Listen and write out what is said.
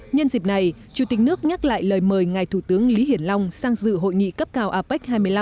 nhân dịp này chủ tịch nước nhắc lại lời mời ngài thủ tướng lý hiển long sang dự hội nghị cấp cao apec hai mươi năm